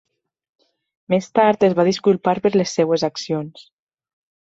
Més tard es va disculpar per les seves accions.